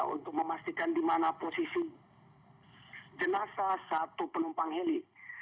untuk memastikan di mana posisi jenazah satu penumpang heli